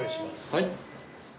はい。